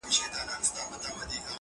ه بيا به دې څيښلي وي مالگينې اوبه-